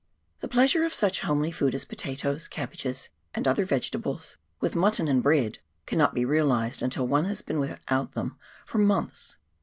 The pleasure of such homely food as potatoes, cabbages, and other vegetables, with mutton and bread, cannot be realised until one has been without them for months.